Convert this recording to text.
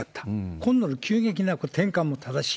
今度の急激な転換も正しい。